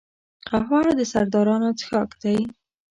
قهوه د سردارانو څښاک دی